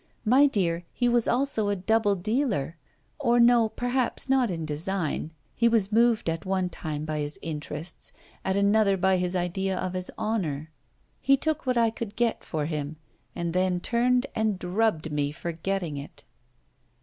My dear, he was also a double dealer. Or no, perhaps not in design. He was moved at one time by his interests; at another by his idea of his honour. He took what I could get for him, and then turned and drubbed me for getting it.'